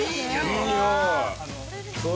◆いい匂い。